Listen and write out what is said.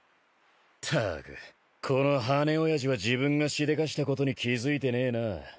ったくこの羽根親父は自分がしでかしたことに気付いてねえな。